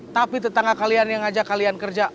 tapi tetangga kalian yang ngajak kalian kerja